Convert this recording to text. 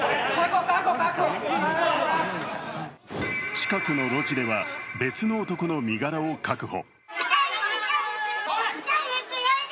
近くの路地では別の男の身柄を確保。